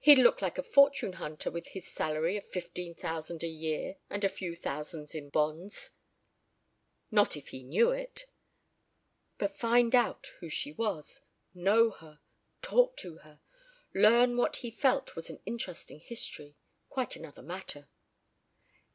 He'd look like a fortune hunter with his salary of fifteen thousand a year and a few thousands in bonds ... not if he knew it! But find out who she was, know her, talk to her, learn what he felt was an interesting history quite another matter.